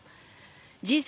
Ｇ７